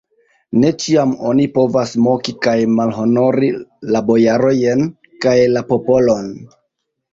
Ne ĉiam oni povas moki kaj malhonori la bojarojn kaj la popolon!